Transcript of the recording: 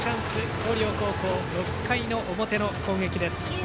広陵高校、６回の表の攻撃です。